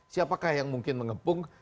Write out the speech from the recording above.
siapakah yang mungkin mengepung